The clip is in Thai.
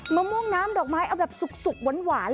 มะม่วงน้ำดอกไม้เอาแบบสุกหวาน